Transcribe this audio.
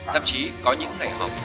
thậm chí có những ngày họp